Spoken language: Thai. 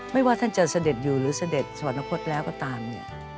ว่าท่านจะเสด็จอยู่หรือเสด็จสวรรคตแล้วก็ตามเนี่ย